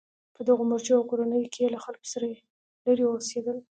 په دغو مورچو او کورونو کې یې له خلکو لرې اوسېدل.